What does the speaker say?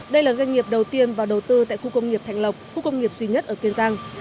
đây là doanh nghiệp đầu tiên vào đầu tư tại khu công nghiệp thạnh lộc khu công nghiệp duy nhất ở kiên giang